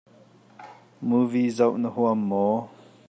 Movie zoh na huam maw?